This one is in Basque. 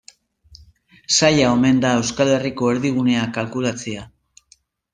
Zaila omen da Euskal Herriko erdigunea kalkulatzea.